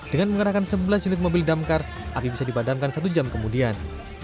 dengan mengerahkan sebelas unit mobil damkar api bisa dipadamkan satu jam kemudian